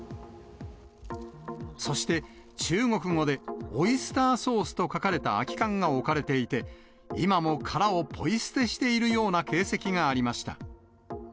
そして中国語でオイスターソースと書かれた空き缶が置かれていて、今も殻をポイ捨てしているような形跡がありました。